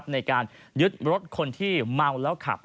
ในการยึดรถคนที่เมาแล้วขับ